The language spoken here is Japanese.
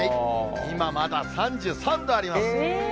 今まだ３３度あります。